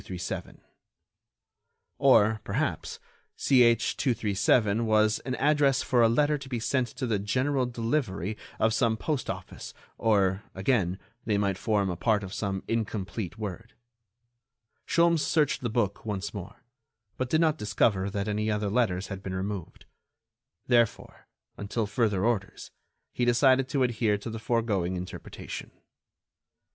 Or, perhaps, CH. 237 was an address for a letter to be sent to the "general delivery" of some postoffice, or, again, they might form a part of some incomplete word. Sholmes searched the book once more, but did not discover that any other letters had been removed. Therefore, until further orders, he decided to adhere to the foregoing interpretation.